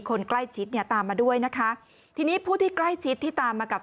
คนใกล้ชิดตามมาด้วยที่นี้ผู้ที่ใกล้ชิดที่ตามมากับแฟน